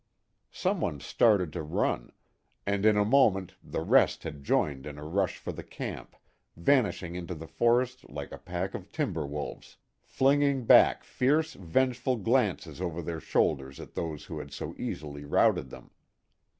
Some one started to run, and in a moment the rest had joined in a rush for the camp, vanishing into the forest like a pack of timber wolves, flinging back fierce, vengeful glances over their shoulders at those who had so easily routed them.